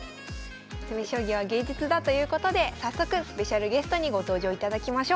「詰将棋は芸術だ」ということで早速スペシャルゲストにご登場いただきましょう。